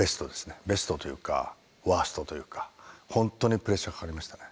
ベストというかワーストというかほんとにプレッシャーがかかりましたね。